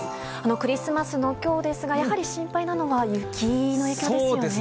クリスマスのきょうですが、やはり心配なのは雪の影響ですよ